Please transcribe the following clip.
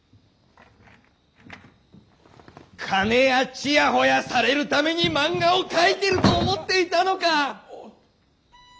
金やちやほやされるためにマンガを描いてると思っていたのかァーッ！！